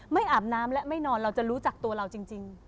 อาบน้ำและไม่นอนเราจะรู้จักตัวเราจริง